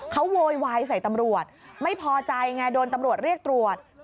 เขาโวยวายใส่ตำรวจไม่พอใจไงโดนตำรวจเรียกตรวจ